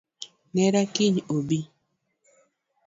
Nera kiny obi